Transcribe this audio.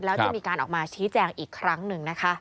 แล้วจะมีการออกมาชี้แจงอีกครั้งหนึ่งนะคะ